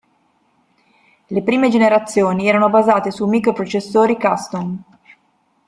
Le prime generazioni erano basate su microprocessori custom.